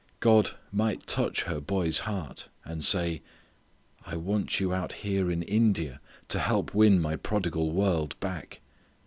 God might touch her boy's heart and say, "I want you out here in India to help win my prodigal world back."